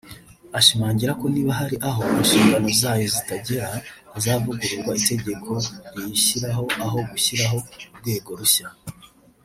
ashimangira ko niba hari aho inshingano zayo zitagera hazavugururwa itegeko riyishyiraho aho gushyiraho urwego rushya